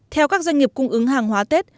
theo các doanh nghiệp cung ứng hàng hóa tết